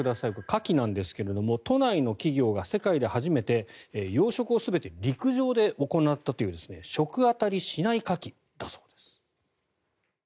カキなんですが都内の企業が世界で初めて養殖を全て陸上で行ったという食あたりしないカキだそうです。